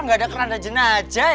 gak ada keranda jenazah ya